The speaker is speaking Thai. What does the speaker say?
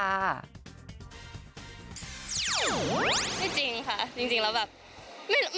จริงค่ะจริงแล้วแบบ